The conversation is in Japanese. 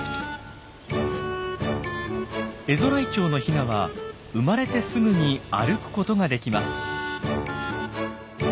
エゾライチョウのヒナは生まれてすぐに歩くことができます。